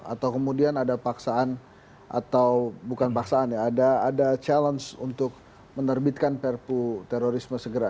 atau kemudian ada paksaan atau bukan paksaan ya ada challenge untuk menerbitkan perpu terorisme segera